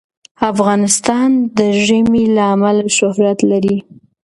افغانستان د ژمی له امله شهرت لري.